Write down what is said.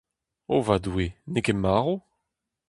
O va Doue ! N'eo ket marv ?